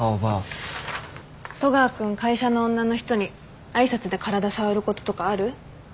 戸川君会社の女の人に挨拶で体触ることとかある？